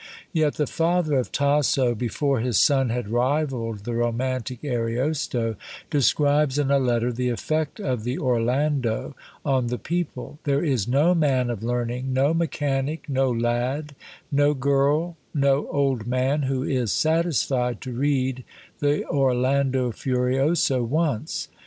Yet the father of Tasso, before his son had rivalled the romantic Ariosto, describes in a letter the effect of the "Orlando" on the people: "There is no man of learning, no mechanic, no lad, no girl, no old man, who is satisfied to read the 'Orlando Furioso' once.